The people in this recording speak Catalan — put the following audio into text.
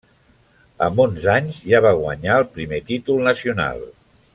Amb onze anys ja va guanyar el primer títol nacional.